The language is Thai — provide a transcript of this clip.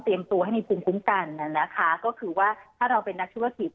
ตัวให้มีภูมิคุ้มกันน่ะนะคะก็คือว่าถ้าเราเป็นนักธุรกิจ